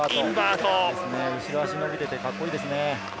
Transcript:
後ろ足が伸びていてカッコいいですね。